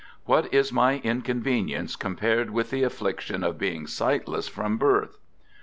What is my inconvenience compared with the affliction of being sightless from birth